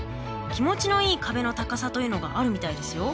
気持ちのいい壁の高さというのがあるみたいですよ。